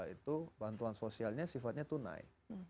itu bantuan sosialnya sifatnya tunai